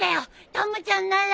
たまちゃんなら。